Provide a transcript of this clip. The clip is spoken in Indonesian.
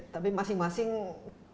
tapi masing masing membawa